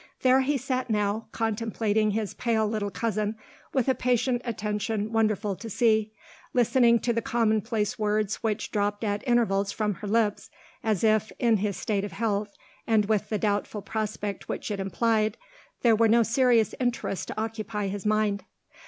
There he sat now, contemplating his pale little cousin, with a patient attention wonderful to see; listening to the commonplace words which dropped at intervals from her lips, as if in his state of health, and with the doubtful prospect which it implied there were no serious interests to occupy his mind.